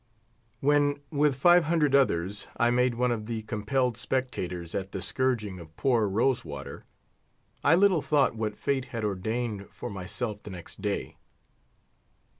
When with five hundred others I made one of the compelled spectators at the scourging of poor Rose water, I little thought what Fate had ordained for myself the next day.